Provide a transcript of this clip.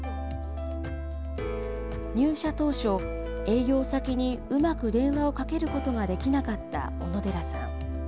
入社当初、営業先にうまく電話をかけることができなかった小野寺さん。